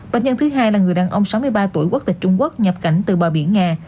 bệnh nhân thứ hai là người đàn ông sáu mươi ba tuổi quốc tịch trung quốc nhập cảnh từ bờ biển nga